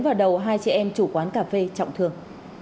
vào đầu hai chị em chủ quán cà phê trọng thường